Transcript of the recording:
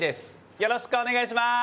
よろしくお願いします！